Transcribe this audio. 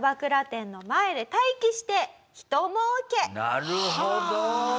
なるほど！